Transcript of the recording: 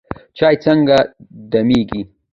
چای څنګه دمیږي؟